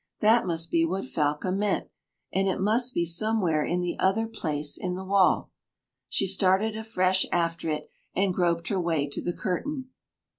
That must be what Falca meant and it must be somewhere in the other place in the wall. She started afresh after it, and groped her way to the curtain.